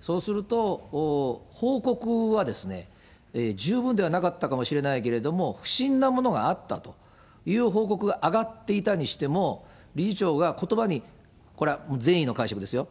そうすると、報告は十分ではなかったかもしれないけれども、不審なものがあったという報告が上がっていたにしても、理事長がことばに、これは善意の解釈ですよ。